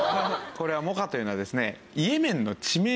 これはモカというのはですね。